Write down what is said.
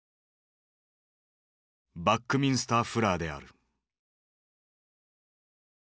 バックミンスター・フラーである。